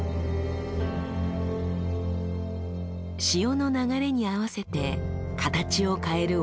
潮の流れに合わせて形を変える大きな群れ。